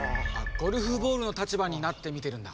ゴルフボールの立場になってみてるんだ。